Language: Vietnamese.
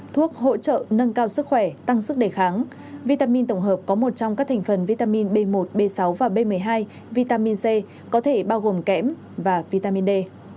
thuốc hỗ trợ nâng cao sức khỏe tăng sức đề kháng vitamin tổng hợp có một trong các thành phần vitamin b một b sáu và b một mươi hai vitamin c có thể bao gồm kẽm và vitamin d